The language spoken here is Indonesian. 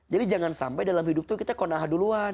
jadi jangan sampai dalam hidup itu kita kona'ah duluan